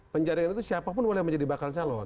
penjaringan itu siapapun boleh menjadi bakal calon